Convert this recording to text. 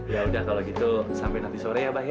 yaudah kalau gitu sampai nanti sore ya bah ya